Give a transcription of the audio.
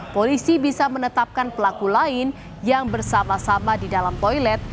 polisi bisa menetapkan pelaku lain yang bersama sama di dalam toilet